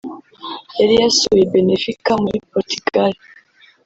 yari yasuye Benefica muri Portugal